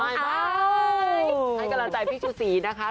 ให้กำลังใจพี่ชูศรีนะคะ